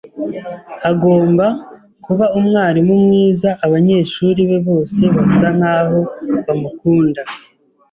agomba kuba umwarimu mwiza. Abanyeshuri be bose basa nkaho bamukunda.